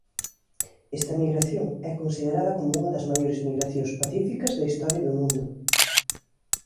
Esta migración é considerada como unha das maiores migracións pacíficas da historia do mundo.